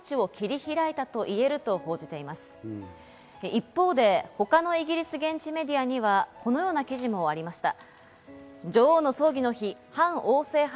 一方で他のイギリス現地メディアではこのような記事もありました。